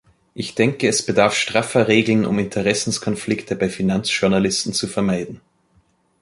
Ich denke, es bedarf straffer Regeln, um Interessenkonflikte bei Finanzjournalisten zu vermeiden.